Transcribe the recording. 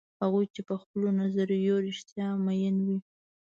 هغوی چې په خپلو نظریو رښتیا میین وي.